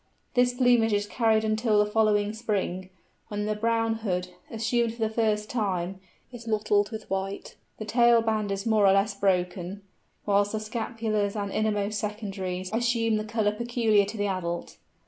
This plumage is carried until the following spring, when the brown hood—assumed for the first time—is mottled with white; the tail band is more or less broken; whilst the scapulars and innermost secondaries assume the colour peculiar to the adult.